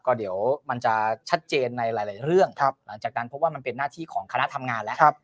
ก็เดี๋ยวมันจะชัดเจนในหลายเรื่องหลังจากนั้นเพราะว่ามันเป็นหน้าที่ของคณะทำงานแล้ว